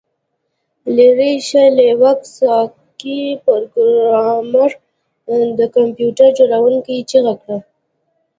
لیرې شه لیوک سکای پروګرامر د کمپیوټر جوړونکي چیغه کړه